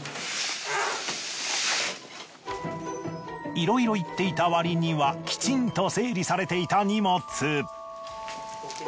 いろいろ言っていたわりにはきちんと整理されていた荷物。